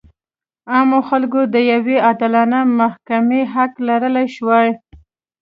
عامو خلکو د یوې عادلانه محکمې حق لرلی شوای.